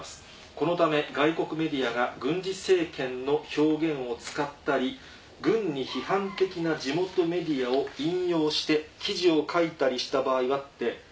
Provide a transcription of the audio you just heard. このため外国メディアが軍事政権の表現を使ったり軍に批判的な地元メディアを引用して記事を書いたりした場合は」って。